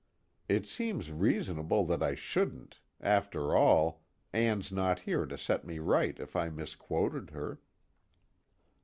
It seems reasonable that I shouldn't after all, Ann's not here to set me right if I misquoted her."